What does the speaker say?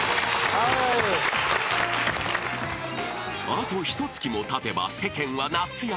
［あとひとつきもたてば世間は夏休み］